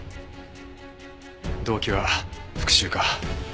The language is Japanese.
動機は復讐か。